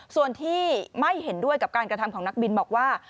ส่วนที่ไม่เห็นด้วยกับการกระทำของนักบินบอกว่า